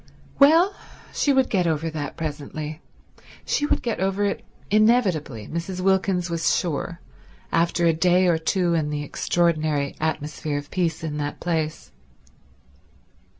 Well, she would get over that presently; she would get over it inevitably, Mrs. Wilkins was sure, after a day or two in the extraordinary atmosphere of peace in that place.